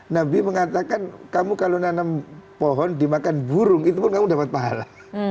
nabi mengatakan kamu kalau nanam pohon dimakan burung itu pun kamu dapat pahala